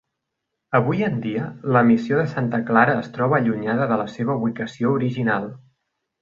Avui en dia, la missió de Santa Clara es troba allunyada de la seva ubicació original.